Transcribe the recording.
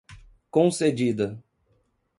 concedida